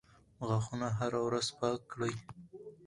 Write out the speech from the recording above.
غاښونه هره ورځ پاک کړئ.